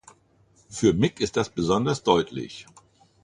Für Mick ist das besonders deutlich.